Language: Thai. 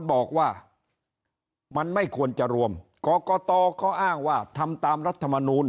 บอกว่ามันไม่ควรจะรวมกรกตก็อ้างว่าทำตามรัฐมนูล